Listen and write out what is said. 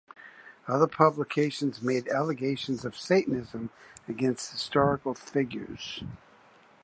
Other publications made allegations of Satanism against historical figures.